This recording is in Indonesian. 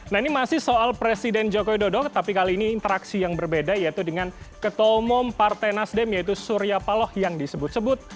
nah ini masih soal presiden joko widodo tapi kali ini interaksi yang berbeda yaitu dengan ketua umum partai nasdem yaitu surya paloh yang disebut sebut